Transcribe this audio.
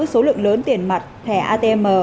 số lượng lớn tiền mặt thẻ atm